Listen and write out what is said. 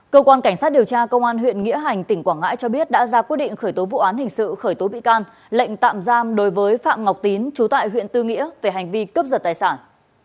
cơ quan cảnh sát điều tra công an huyện nghĩa hành tỉnh quảng ngãi cho biết đã ra quyết định khởi tố vụ án hình sự khởi tố bị can lệnh tạm giam đối với phạm ngọc tín trú tại huyện tư nghĩa về hành vi cướp giật tài sản